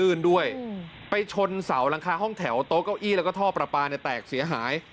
ด้วยไปชนเสาหลังคาห้องแถวโต๊ะเก้าอี้แล้วก็ท่อประปาเนี่ยแตกเสียหาย